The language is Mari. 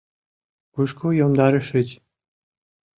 Кушко йомдарышыч?